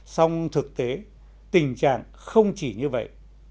xong thực tế tình trạng không chỉ như vậy